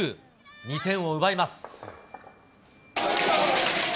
２点を奪います。